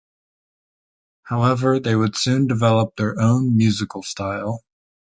However, they would soon develop their own musical style.